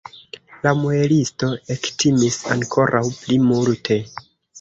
La muelisto ektimis ankoraŭ pli multe.